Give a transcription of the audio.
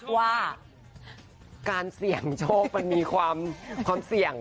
ว่าการเสี่ยงโชคมันมีความเสี่ยง